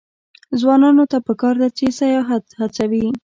ځوانانو ته پکار ده چې، سیاحت هڅوي.